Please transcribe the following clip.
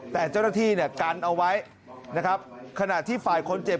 แต่เจ้าหน้าที่กันเอาไว้ขนาดที่ฝ่ายคนเจ็บ